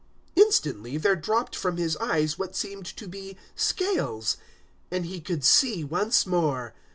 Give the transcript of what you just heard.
009:018 Instantly there dropped from his eyes what seemed to be scales, and he could see once more.